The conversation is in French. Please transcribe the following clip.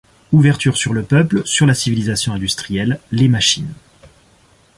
Ouverture sur le peuple, sur la civilisation industrielle, les machines.